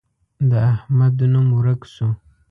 د احمد نوم ورک شو.